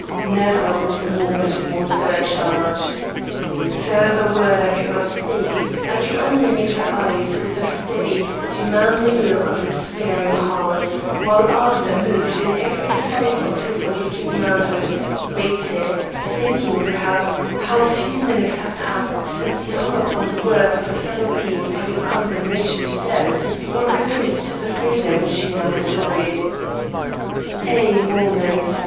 Never was moment more surcharged. Further word I could not speak; I could only meet her eyes with the steady, demanding look of a despairing heart, while Arthur moved in every fibre of his awakened manhood, waited thinking, perhaps, how few minutes had passed since he hung upon the words of a fellow being for his condemnation to death, or release to the freedom which he now enjoyed. A moment!